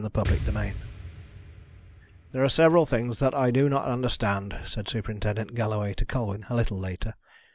CHAPTER XXIX "There are several things that I do not understand," said Superintendent Galloway to Colwyn a little later.